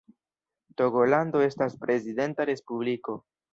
Togolando estas prezidenta respubliko.